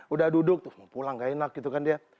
udah duduk pulang gak enak gitu kan dia